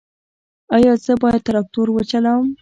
ایا زه باید تراکتور وچلوم؟